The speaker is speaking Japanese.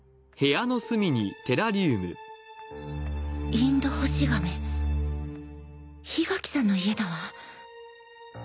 インドホシガメ檜垣さんの家だわ